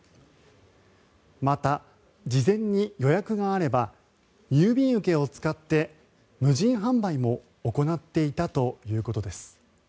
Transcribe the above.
また、事前に予約があれば郵便受けを使って無人販売も行っていたということです。